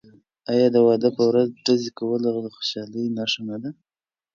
آیا د واده په ورځ ډزې کول د خوشحالۍ نښه نه ده؟